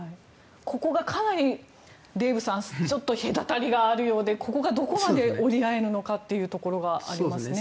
ここがかなり、デーブさん隔たりがあるようでここがどこまで折り合えるのかというところがありますね。